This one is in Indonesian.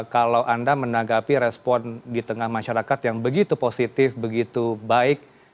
kalau anda menanggapi respon di tengah masyarakat yang begitu positif begitu baik